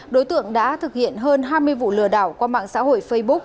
đối tượng đã thực hiện hơn hai mươi vụ lừa đảo qua mạng xã hội facebook